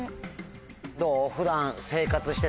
どう？